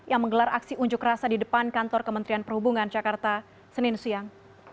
yang menggelar aksi unjuk rasa di depan kantor kementerian perhubungan jakarta senin siang